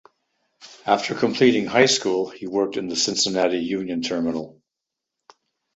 After completing high school he worked in the Cincinnati Union Terminal.